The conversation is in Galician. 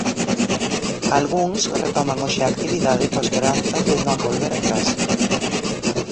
Algúns retoman hoxe a actividade coa esperanza de non volver atrás.